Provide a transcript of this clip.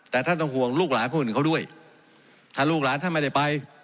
แต่ท่านต้องห่วงลูกหลานคนอื่นเขาด้วยถ้าลูกหลานท่านไม่ได้ไป